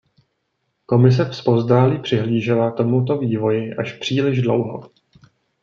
Komise zpovzdálí přihlížela tomuto vývoji až příliš dlouho.